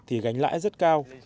thì gánh lãi rất cao